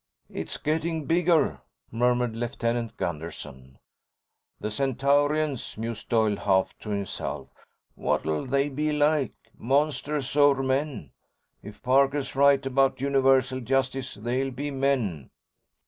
"It's getting bigger," murmured Lieutenant Gunderson. "The Centaurians," mused Doyle, half to himself. "What'll they be like? Monsters or men? If Parker's right about universal justice, they'll be men."